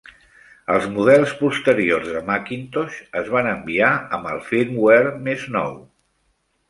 Els models posteriors de Macintosh es van enviar amb el firmware més nou.